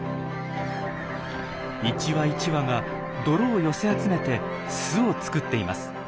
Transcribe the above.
一羽一羽が泥を寄せ集めて巣を作っています。